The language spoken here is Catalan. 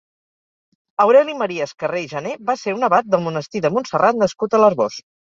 Aureli Maria Escarré i Jané va ser un abat del monestir de Montserrat nascut a l'Arboç.